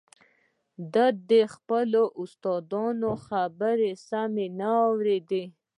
ده د خپلو استادانو خبرې سمې نه اورېدې